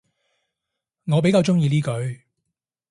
我比較鍾意呢句